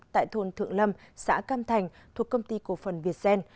tại thôn thượng lâm xã cam thành thuộc công ty cổ phần việt gen